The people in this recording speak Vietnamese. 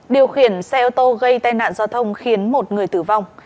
điều khiển xe ô tô gây tai nạn giao thông khiến một người tử vong